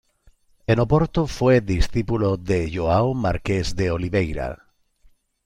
En Oporto fue discípulo de João Marques de Oliveira.